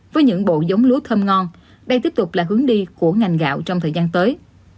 với những bộ giống lúa thơm ngon đây tiếp tục là hướng đi của ngành gạo trong thời gian tới